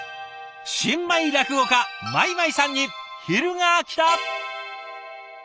新米落語家米舞さんに昼がきた！